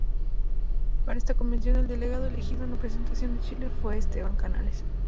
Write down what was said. Para esta convención, el delegado elegido en representación de Chile fue Esteban Canales.